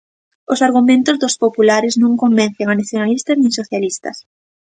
Os argumentos dos populares non convencen a nacionalistas nin socialistas.